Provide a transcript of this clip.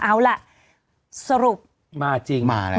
เอาล่ะสรุปมาจริงมาแล้ว